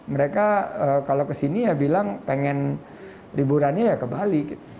mereka kalau ke sini ya bilang pengen liburannya ya ke bali gitu